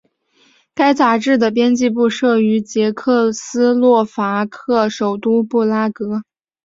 该杂志的编辑部设于捷克斯洛伐克首都布拉格。